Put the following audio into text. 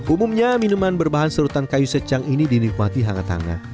umumnya minuman berbahan serutan kayu secang ini dinikmati hangat hangat